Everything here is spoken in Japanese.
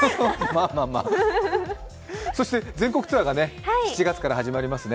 まあまあまあそして全国ツアーが７月から始まりますね。